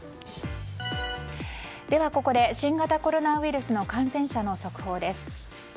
ここで新型コロナウイルスの感染者の速報です。